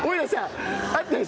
あったでしょ